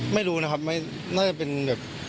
ไม่รู้นะครับน่าจะเป็นแบบ